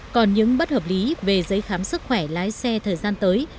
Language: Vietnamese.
còn những bất hợp lý về giấy khám sức khỏe lái xe thời gian tới